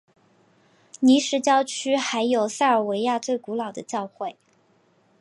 尼什郊区还有塞尔维亚最古老的教会。